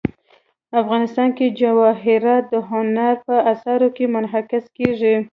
افغانستان کې جواهرات د هنر په اثار کې منعکس کېږي.